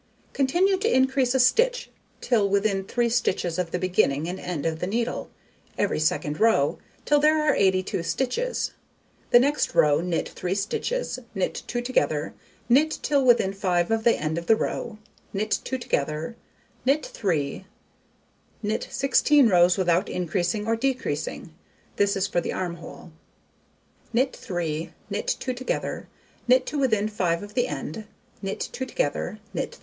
Continue to increase a stitch till within 3 stitches of the beginning and end of the needle, every second row, till there are 82 stitches. The next row, knit 3 stitches, knit 2 together, knit till within 5 of the end of the row, knit 2 together, knit 3, knit 16 rows without increasing or decreasing (this is for the arm hole); knit 3, knit 2 together, knit to within 5 of the end, knit 2 together, knit 3.